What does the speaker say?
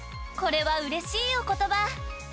［これはうれしいお言葉］